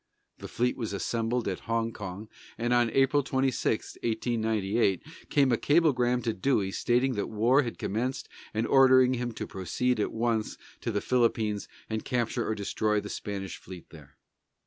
The fleet was assembled at Hong Kong, and on April 26, 1898, came a cablegram to Dewey stating that war had commenced and ordering him to proceed at once to the Philippines and capture or destroy the Spanish fleet there.